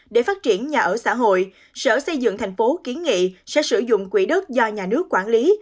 để phát triển nhà ở xã hội sở xây dựng thành phố kiến nghị sẽ sử dụng quỹ đất do nhà nước quản lý